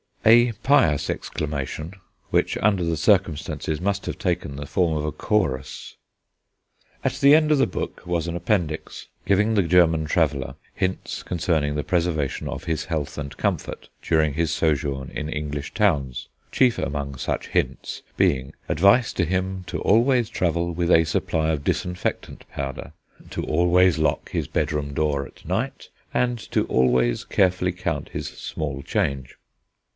a pious exclamation, which under the circumstances must have taken the form of a chorus. At the end of the book was an appendix, giving the German traveller hints concerning the preservation of his health and comfort during his sojourn in English towns, chief among such hints being advice to him to always travel with a supply of disinfectant powder, to always lock his bedroom door at night, and to always carefully count his small change.